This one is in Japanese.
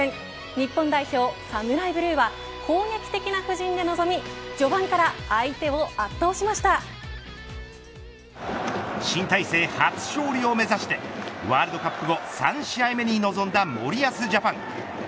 日本代表ＳＡＭＵＲＡＩＢＬＵＥは攻撃的な布陣で臨み新体制初勝利を目指してＷ杯後、３試合目に臨んだ森保ジャパン。